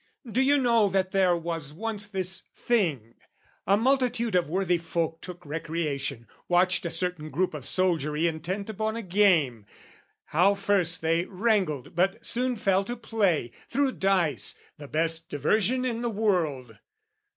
Do you know that there was once This thing: a multitude of worthy folk Took recreation, watched a certain group Of soldiery intent upon a game, How first they wrangled, but soon fell to play, Threw dice, the best diversion in the world.